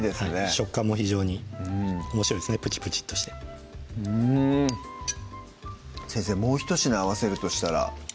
食感も非常におもしろいですねプチプチッとしてうん先生もうひと品合わせるとしたら？